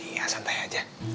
iya santai aja